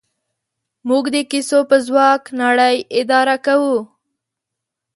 موږ د کیسو په ځواک نړۍ اداره کوو.